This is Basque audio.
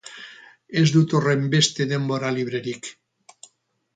Ez dut horrenbeste denbora librerik.